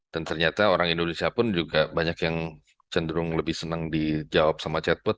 dan ternyata orang indonesia pun juga banyak yang cenderung lebih senang dijawab sama chatbot